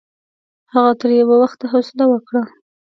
هغه تر یوه وخته حوصله وکړه.